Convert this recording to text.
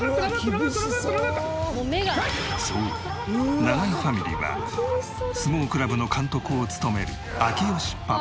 そう永井ファミリーは相撲クラブの監督を務める明慶パパと。